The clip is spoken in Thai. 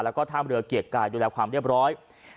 แล้วก็ท่ามเรือเกียรติกายดูแลความเรียบร้อย